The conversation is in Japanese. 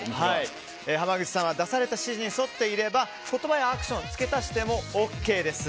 濱口さんは出された指示に沿っていれば言葉やアクションを付け足してもＯＫです。